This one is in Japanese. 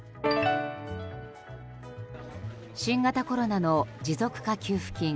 新型コロナの持続化給付金